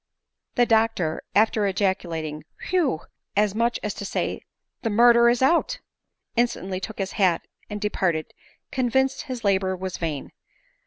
The doctor, after ejaculating " Whew !" as much as to say " The murder is out," instantly took his hat and de parted, convinced his labor was vain.